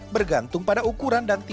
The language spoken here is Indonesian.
bergantung pada ukuran dan titipan